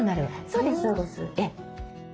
そうですそうです。